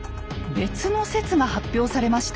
別の説が発表されました。